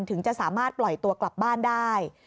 ถึงจะสามารถปล่อยตัวกลับบ้านได้